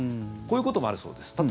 こういうこともあるそうです。